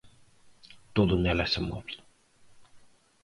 Todo nela se move.